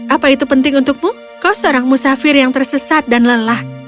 apa itu penting untukmu kau seorang musafir yang tersesat dan lelah